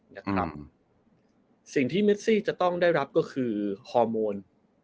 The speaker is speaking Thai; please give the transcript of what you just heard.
นะครับสิ่งที่เมซี่จะต้องได้รับก็คือฮอร์โมน